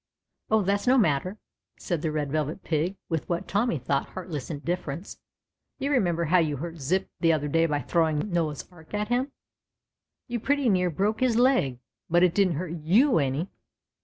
" Oh, that's no matter," said the Red Velvet Pig, with what Tommy thought heartless indifference; "you re member how you hurt Zip the other day by throwing Noah's Ark at him. You pretty near broke his leg, but it didn't hurt you any."